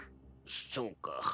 そそうか。